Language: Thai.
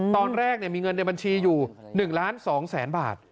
ตอนแรกเนี่ยมีเงินในบัญชีอยู่๑๒๐๐๐๐๐บาท